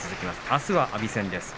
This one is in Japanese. あすは阿炎戦です。